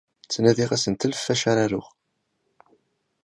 Ttnadiɣ asentel ɣef wacu ara aruɣ.